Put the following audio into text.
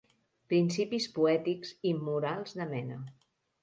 Principis poètics immorals de mena.